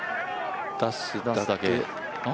出しただけ。